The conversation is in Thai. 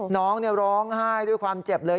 น้องร้องไห้ด้วยความเจ็บเลย